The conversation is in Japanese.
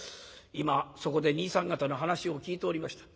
「今そこで兄さん方の話を聞いておりました。